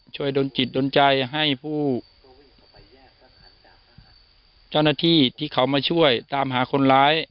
ดนจิตโดนใจให้ผู้เจ้าหน้าที่ที่เขามาช่วยตามหาคนร้าย